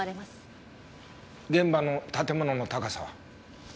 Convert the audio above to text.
現場の建物の高さは？